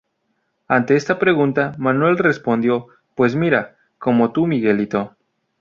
Ante esta pregunta, Manuel respondió: "pues mira, como tú, Miguelito".